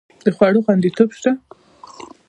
د خوړو خوندیتوب شته؟